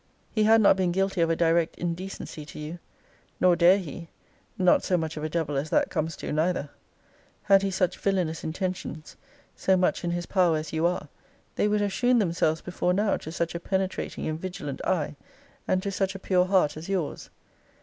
He had not been guilty of a direct indecency to you. Nor dare he not so much of a devil as that comes to neither. Had he such villainous intentions, so much in his power as you are, they would have shewn themselves before now to such a penetrating and vigilant eye, and to such a pure heart as yours.